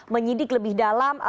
menyidik lebih dalam